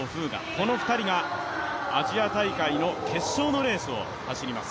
この２人がアジア大会の決勝のレースを走ります。